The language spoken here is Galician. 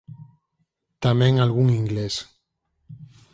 Tamén algún inglés".